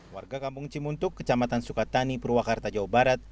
warga kampung cimuntuk kecamatan sukatani purwakarta jawa barat